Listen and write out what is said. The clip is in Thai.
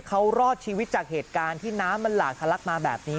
เขารอดชีวิตจากเหตุการณ์ที่น้ำมันหลากทะลักมาแบบนี้